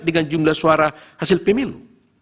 dengan jumlah suara hasil pemilu